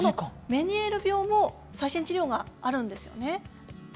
メニエール病も最新治療があるんですよね。